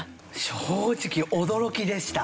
正直驚きでした。